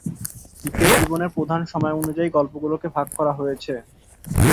নিকের জীবনের প্রধান সময় অনুযায়ী গল্পগুলোকে ভাগ করা হয়েছে।